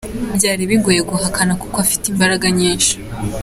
Byari bigoye guhakana kuko afite imbaraga nyinshi.